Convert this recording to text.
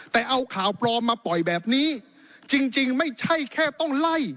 แต่เอาข่าวปลอมมาปล่อยแบบนี้จริงจริงไม่ใช่แค่ต้องไล่